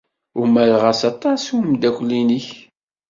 Umareɣ-as aṭas i umeddakel-nnek.